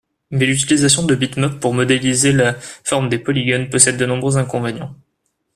Mais l’utilisation de bitmaps pour modéliser la forme des polygones possède de nombreux inconvénients.